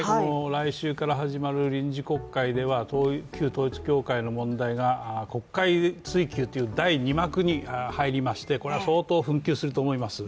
来週から始まる臨時国会では旧統一教会の問題が国会追及っていう第２幕に入りましてこれは相当紛糾すると思います。